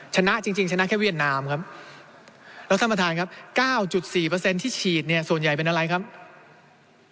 ชนะจริงชนะแค่เวียดนามครับแล้วท่านประธานครับ๙๔ที่ฉีดเนี่ยส่วนใหญ่เป็นอะไรครับ